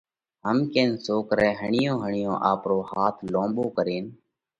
هم ڪينَ سوڪرئہ هڻِيئون هڻِيئون آپرو هاٿ لونٻو ڪرينَ